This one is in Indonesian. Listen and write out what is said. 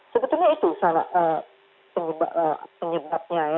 sebetulnya itu salah penyebabnya ya